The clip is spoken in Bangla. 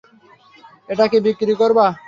এটা কি বিক্রি করবা?